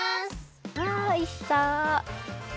わおいしそう！